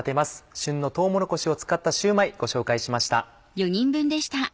旬のとうもろこしを使ったシューマイご紹介しました。